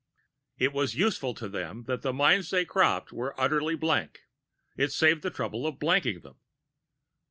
It was useful to them that the minds they cropped were utterly blank. It saved the trouble of blanking them.